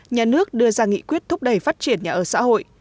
nhà nước đưa ra nghị quyết thúc đẩy phát triển nhà ở xã hội